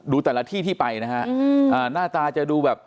ดูแต่ละที่ที่ไปนะฮะอืมอ่าหน้าตาจะดูแบบ